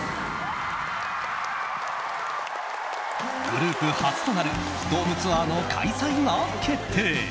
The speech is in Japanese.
グループ初となるドームツアーの開催が決定。